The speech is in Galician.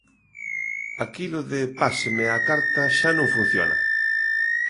Aquilo de páseme a carta xa non funciona.